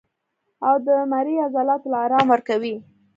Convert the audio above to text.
او د مرۍ عضلاتو له ارام ورکوي